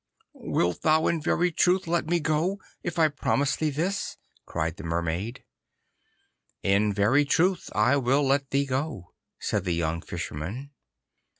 'Wilt thou in very truth let me go, if I promise thee this?' cried the Mermaid. 'In very truth I will let thee go,' said the young Fisherman.